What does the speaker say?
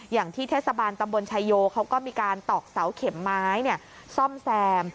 อย่างที่เทศบาลตำบลชายโยเขาก็มีการตอกเสาเข็มไม้ซ่อมแซม